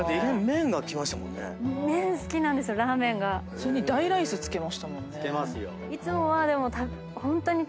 それに大ライス付けましたもんね。